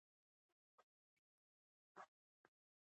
باران تر ټولو ستره هیله ده.